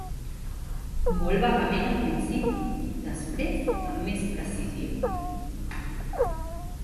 Molt vagament al principi, després amb més precisió